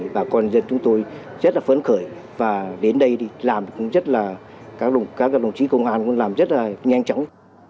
bà con dân chúng tôi rất là phấn khởi và đến đây đi làm cũng rất là các đồng chí công an cũng làm rất là nhanh chóng